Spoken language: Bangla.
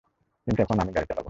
কিন্তু এখন আমি গাড়ি চালাবো।